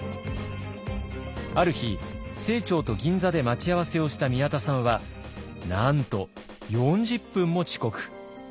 ある日清張と銀座で待ち合わせをした宮田さんはなんと４０分も遅刻。